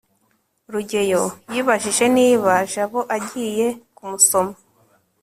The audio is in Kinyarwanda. rugeyo yibajije niba jabo agiye kumusoma